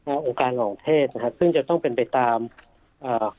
อ่าองค์การอ่องเทศนะฮะซึ่งจะต้องเป็นไปตามอ่า